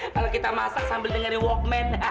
kalau kita masak sambil dengerin walkman